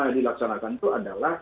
yang dilaksanakan itu adalah